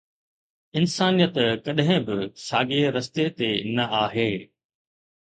انسانيت ڪڏهن به ساڳئي رستي تي نه آهي